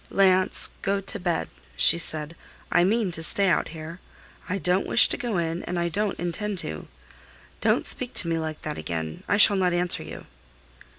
"Léonce, go to bed," she said, "I mean to stay out here. I don't wish to go in, and I don't intend to. Don't speak to me like that again; I shall not answer you."